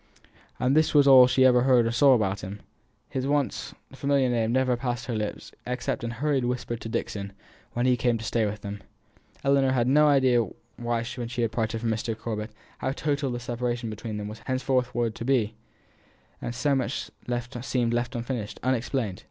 And this was all she ever heard or saw about him; his once familiar name never passed her lips except in hurried whispers to Dixon, when he came to stay with them. Ellinor had had no idea when she parted from Mr. Corbet how total the separation between them was henceforward to be, so much seemed left unfinished, unexplained.